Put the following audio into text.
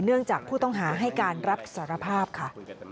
เนื่องจากผู้ต้องหาให้การรับสารภาพค่ะ